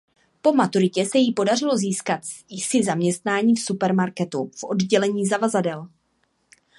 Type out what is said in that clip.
Po maturitě se jí podařilo získat si zaměstnání v supermarketu v oddělení zavazadel.